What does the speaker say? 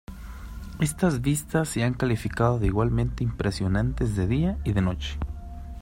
Estas vistas se han calificado de igualmente impresionantes de día y de noche.